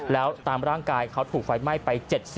แล้วตามร่างกายเขาถูกไฟไหม้ไป๗๐